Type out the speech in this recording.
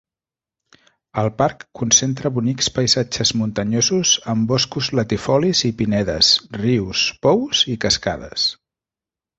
El parc concentra bonics paisatges muntanyosos amb boscos latifolis i pinedes, rius, pous i cascades.